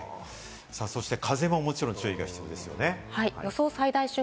そして風ももちろん警戒が必要ですね。